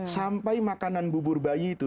sampai makanan bubur bayi itu